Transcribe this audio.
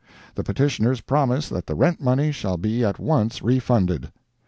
The petitioners promise that the rent money shall be at once refunded.